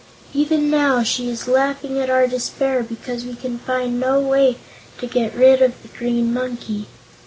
Even now she is laughing at our despair because we can find no way to get rid of the green monkey.